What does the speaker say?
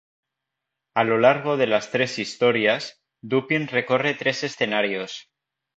A lo largo de las tres historias, Dupin recorre tres escenarios.